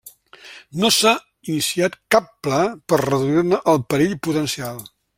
No s'ha iniciat cap pla per reduir-ne el perill potencial.